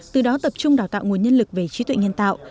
từ đó tập trung đào tạo nguồn nhân lực về trí tuệ nhân tạo